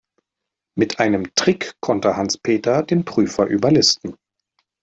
Mit einem Trick konnte Hans-Peter den Prüfer überlisten.